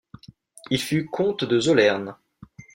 Il fut comte de Zollern.